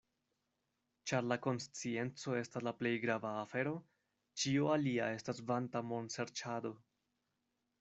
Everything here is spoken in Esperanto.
Ĉar la konscienco estas la plej grava afero, ĉio alia estas vanta monserĉado.